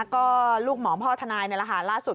ก็ลูกหมอพ่อทนายในรหารล่าสุด